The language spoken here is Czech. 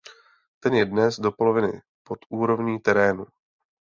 Ten je dnes do poloviny pod úrovní terénu.